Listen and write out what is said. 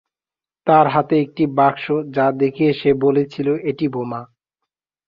তার হাতে একটি বাক্স যা দেখিয়ে সে বলেছিল এটি বোমা।